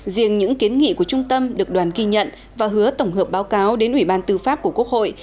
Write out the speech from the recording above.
riêng những kiến nghị của trung tâm được đoàn ghi nhận và hứa tổng hợp báo cáo đến ủy ban tư pháp của quốc hội